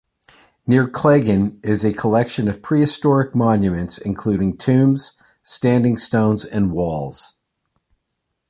Near Cleggan is a collection of prehistoric monuments including tombs, standing stones and walls.